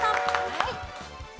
はい。